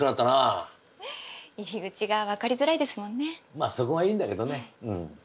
まあそこがいいんだけどね。